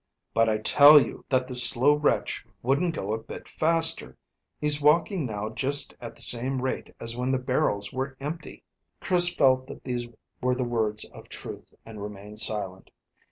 "But I tell you that this slow wretch wouldn't go a bit faster. He's walking now just at the same rate as when the barrels were empty." Chris felt that these were the words of truth, and remained silent.